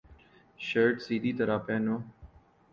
shirt سیدھی طرح پہنو